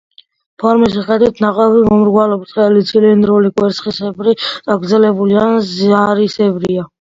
ფორმის მიხედვით ნაყოფი მომრგვალო, ბრტყელი, ცილინდრული, კვერცხისებრი, წაგრძელებული ან ზარისებრია.